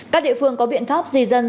các địa phương có biện pháp di dân